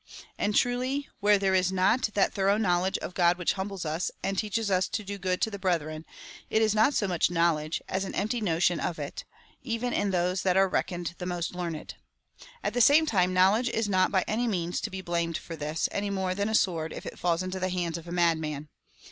And truly, where there is not that thorough knowledge of God which humbles us, and teaches us to do good to the brethren, it is not so much knowledge, as an empty notion of it, even in those that are reckoned the most learned. At the same time, knowledge is not by any means to be blamed for this, any more than a sword, if it falls into the hands of a madman.